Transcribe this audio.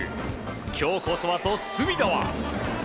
今日こそはと隅田は。